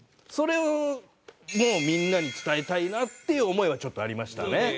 それをみんなに伝えたいなっていう思いはちょっとありましたね。